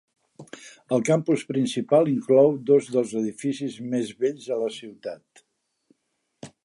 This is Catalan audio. El campus principal inclou dos dels edificis més vells de la ciutat.